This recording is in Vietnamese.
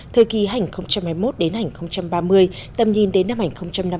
thời kỳ hành hai mươi một đến hành ba mươi tầm nhìn đến năm hành năm mươi